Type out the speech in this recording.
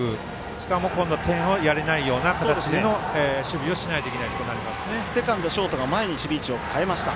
しかも、今度は点はやれないような形で守備をしないといけないセカンド、ショートが前に守備位置を変えました。